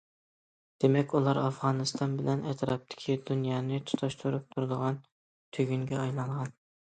دېمەك، ئۇلار ئافغانىستان بىلەن ئەتراپتىكى دۇنيانى تۇتاشتۇرۇپ تۇرىدىغان تۈگۈنگە ئايلانغان.